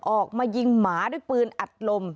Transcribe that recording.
ออกมายิงหมาด้วยปืนอัดลม